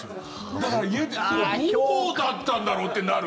だから、家でどうだったんだろう？ってなる。